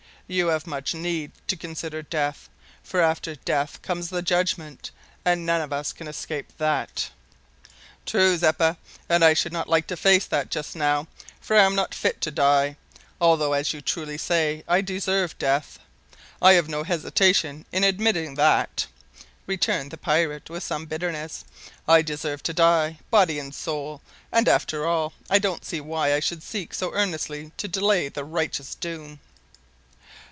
"You have much need to consider death, for after death comes the judgment, and none of us can escape that." "True, Zeppa, and I should not like to face that just now, for I am not fit to die, although, as you truly say, I deserve death. I have no hesitation in admitting that," returned the pirate, with some bitterness; "I deserve to die, body and soul, and, after all, I don't see why I should seek so earnestly to delay the righteous doom."